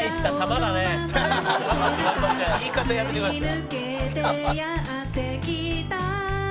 「言い方やめてください」